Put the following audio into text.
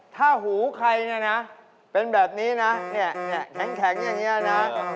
ถ้าหูใครเป็นแบบนี้นะแข็งอย่างนี้นะ